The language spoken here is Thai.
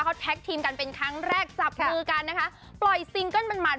เขาแท็กทีมกันเป็นครั้งแรกจับมือกันนะคะปล่อยซิงเกิ้ลมันมัน